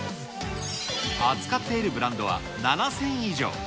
扱っているブランドは７０００以上。